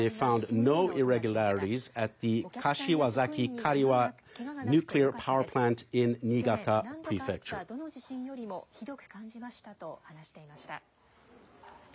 去年何度かあったどの地震よりもひどく感じましたと話していました。